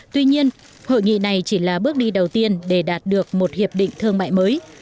tuy nhiên hội nghị này chỉ là bước đi đầu tiên để đạt được một hiệp định thương mại mới